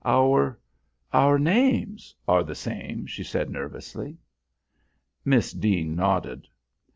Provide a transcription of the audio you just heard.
"Our our names are the same," she said nervously. Miss Deane nodded.